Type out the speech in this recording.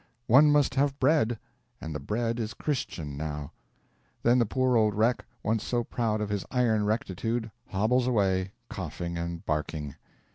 One must have bread; and 'the bread is Christian now.' Then the poor old wreck, once so proud of his iron rectitude, hobbles away, coughing and barking.